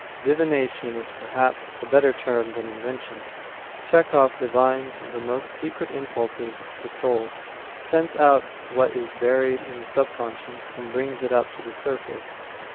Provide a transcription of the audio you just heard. Divination is perhaps a better term than invention. Chekhov divines the most secret impulses of the soul, scents out what is buried in the subconscious, and brings it up to the surface.